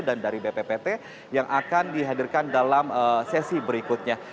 dan dari bppt yang akan dihadirkan dalam sesi berikutnya